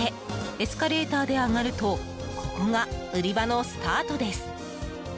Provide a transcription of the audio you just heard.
エスカレーターで上がるとここが売り場のスタートです。